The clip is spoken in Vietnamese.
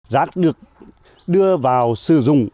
rác được đưa vào sử dụng